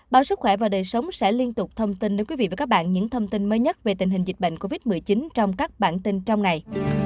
báo sức khỏe và đời sống sẽ liên tục thông tin đến quý vị và các bạn những thông tin mới nhất về tình hình dịch bệnh covid một mươi chín trong các bản tin trong ngày